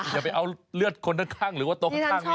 อย่าไปเอาเคยเอาเลือดคนข้างหรือว่าโต๊ะข้างว่าย่ด